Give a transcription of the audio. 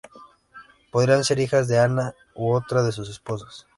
Podrían ser hijas de Ana u otra de sus esposas.